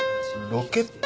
ロケット？